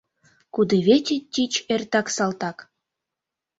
Кудывече тич эртак салтак.